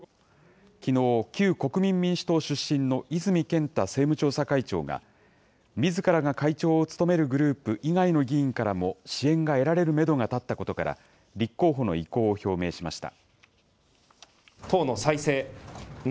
きのう、旧国民民主党出身の泉健太政務調査会長が、みずからが会長を務めるグループ以外の議員からも、支援が得られるメドが立ったことから、立候補の意向を表明しました。